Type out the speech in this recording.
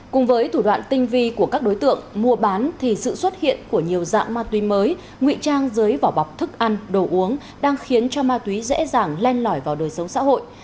cùng với thủ đoạn tinh vi của các đối tượng mua bán thì sự xuất hiện của nhiều dạng ma túy mới nguy trang dưới vỏ bọc thức ăn đồ uống đang khiến cho ma túy dễ dàng len lỏi vào đời sống xã hội